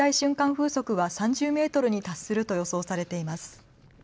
風速は３０メートルに達すると予想されています。